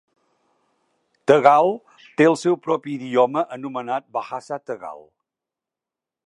Tegal té el seu propi idioma anomenat "Bahasa Tegal".